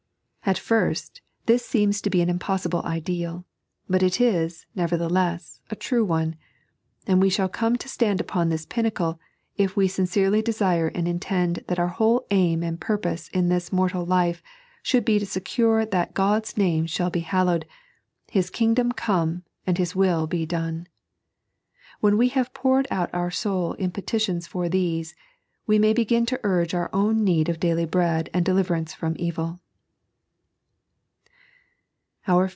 At first, this seems to be an impossible ideal, but it is, nevertheless, a true one ; and we shall come to stand upon this pinnacle, if we sincerely desire and intend that our whole aim and purpose in this mortal life should be to secure that God's Kame shall be hallowed. His Kingdom come, and His will be done. When we have poured out our soul in petitions for these, we may begin to urge our own need of daily bread and deliverance from evil.